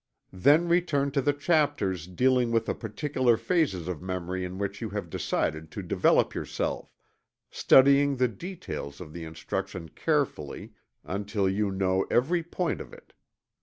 Then return to the chapters dealing with the particular phases of memory in which you have decided to develop yourself, studying the details of the instruction carefully until you know every point of it.